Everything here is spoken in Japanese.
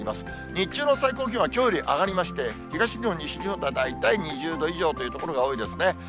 日中の最高気温はきょうより上がりまして、東日本、西日本で大体２０度以上という所が多いですね。